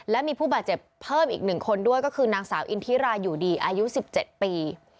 และมีผู้บาดเจ็บเพิ่มอีก๑คนด้วยก็คือนางสาวอินทิราอยู่ดีอายุ๑๗ปี